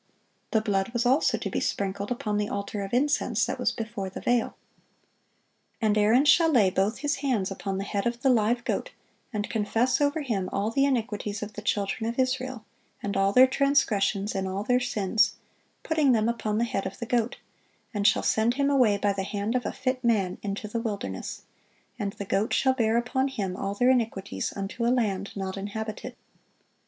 The blood was also to be sprinkled upon the altar of incense, that was before the veil. "And Aaron shall lay both his hands upon the head of the live goat, and confess over him all the iniquities of the children of Israel, and all their transgressions in all their sins, putting them upon the head of the goat, and shall send him away by the hand of a fit man into the wilderness: and the goat shall bear upon him all their iniquities unto a land not inhabited."